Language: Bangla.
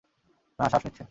না, শ্বাস নিচ্ছে।